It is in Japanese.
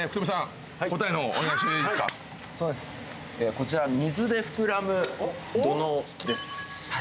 こちら水で膨らむ土のうです。